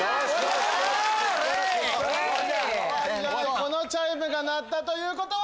このチャイムが鳴ったということは。